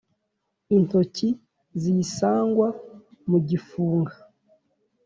Intoki ziyisangwa mu gifunga